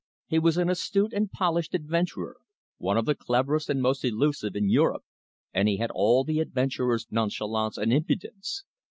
He was an astute and polished adventurer, one of the cleverest and most elusive in Europe, and he had all the adventurer's nonchalance and impudence.